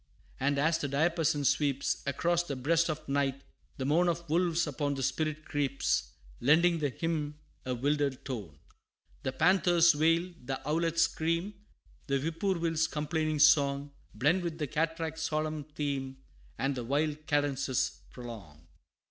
And as the diapason sweeps Across the breast of night, the moan Of wolves upon the spirit creeps, Lending the hymn a wilder tone. The panther's wail, the owlet's scream, The whippoorwill's complaining song, Blend with the cataract's solemn theme, And the wild cadences prolong.